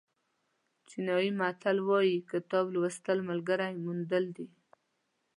چینایي متل وایي کتاب لوستل ملګري موندل دي.